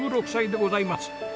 ５６歳でございます。